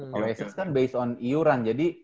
kalau assess kan based on iuran jadi